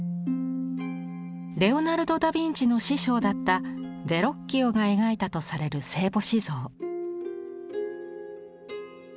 レオナルド・ダ・ヴィンチの師匠だったヴェロッキオが描いたとされる聖母子像。